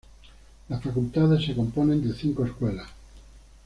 La facultades se componen de cinco escuelas.